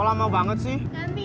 oh lama banget sih